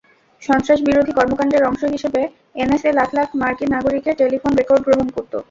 সন্ত্রাসবিরোধী কর্মকাণ্ডের অংশ হিসেবে এনএসএ লাখ লাখ মার্কিন নাগরিকের টেলিফোন রেকর্ড সংগ্রহ করত।